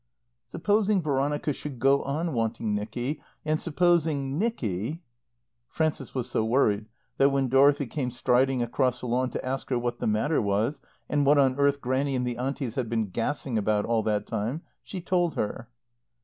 Supposing Veronica should go on wanting Nicky, and supposing Nicky Frances was so worried that, when Dorothy came striding across the lawn to ask her what the matter was, and what on earth Grannie and the Aunties had been gassing about all that time, she told her.